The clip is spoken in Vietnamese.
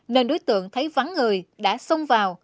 nên đối tượng thấy vắng người đã xông vào